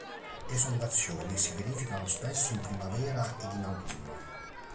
Esondazioni si verificano spesso in primavera ed in autunno.